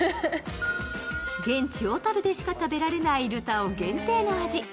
現地・小樽でしか食べられないルタオ限定の味。